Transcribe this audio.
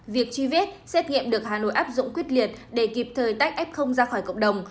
việc truy vết xét nghiệm được hà nội áp dụng quyết liệt để kịp thời tách f ra khỏi cộng đồng